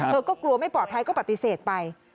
เธอก็กลัวไม่ปลอดภัยก็ปฏิเสธไป